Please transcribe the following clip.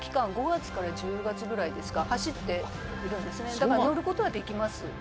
５月から１０月ぐらいですか走っているんですねだからできる？